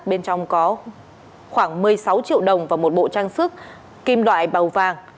bên trong có khoảng một mươi sáu triệu đồng và một bộ trang sức kim đoại bầu vàng